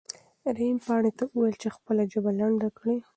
رحیم پاڼې ته وویل چې خپله ژبه لنډه کړي.